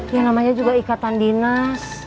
yang namanya juga ikatan dinas